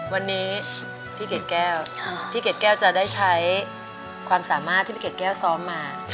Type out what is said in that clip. วันนี้พี่เกดแก้วพี่เกดแก้วจะได้ใช้ความสามารถที่พี่เกดแก้วซ้อมมา